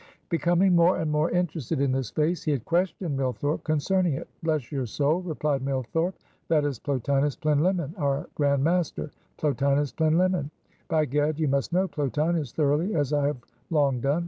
Becoming more and more interested in this face, he had questioned Millthorpe concerning it "Bless your soul" replied Millthorpe "that is Plotinus Plinlimmon! our Grand Master, Plotinus Plinlimmon! By gad, you must know Plotinus thoroughly, as I have long done.